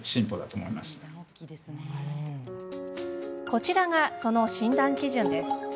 こちらがその診断基準です。